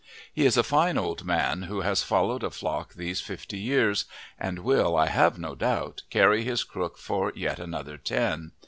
He is a fine old man who has followed a flock these fifty years, and will, I have no doubt, carry his crook for yet another ten.